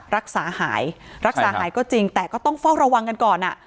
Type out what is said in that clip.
รักษาหายรักษาหายก็จริงแต่ก็ต้องเฝ้าระวังกันก่อนอ่ะ